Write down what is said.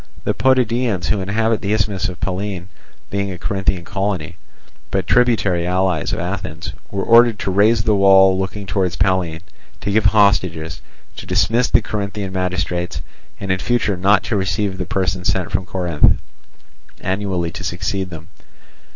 The Potidæans, who inhabit the isthmus of Pallene, being a Corinthian colony, but tributary allies of Athens, were ordered to raze the wall looking towards Pallene, to give hostages, to dismiss the Corinthian magistrates, and in future not to receive the persons sent from Corinth annually to succeed them.